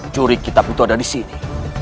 curi kita butuh ada disini